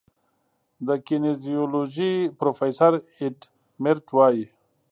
د کینیزیولوژي پروفیسور ایډ میرټ وايي